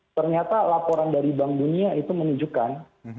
ternyata laporan dari bank dunia itu menunjukkan